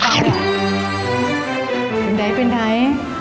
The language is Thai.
เห็นไหนเป็นไง